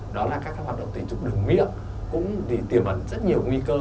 đó là các hoạt động tình dục đường miệng cũng thì tiềm ấn rất nhiều nguy cơ